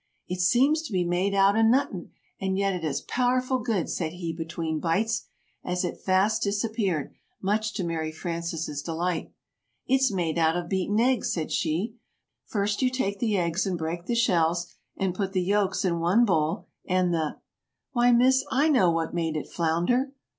"It seems to be made out o' nothin' and yet it is powerful good," said he between bites, as it fast disappeared, much to Mary Frances' delight. [Illustration: "Oh, never mind, Miss."] "It's made out of beaten eggs," said she. "First, you take the eggs and break the shells, and put the yolks in one bowl and the " "Why, Miss, I know what made it flounder."